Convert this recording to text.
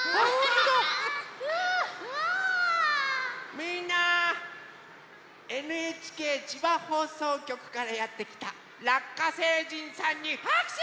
みんなＮＨＫ千葉放送局からやってきたラッカ星人さんにはくしゅ！